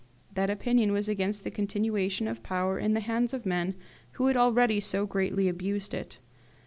That opinion was against the continuation of power in the hands of men who had already so greatly abused it.